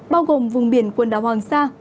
bao gồm vùng biển quần đảo hoàng sa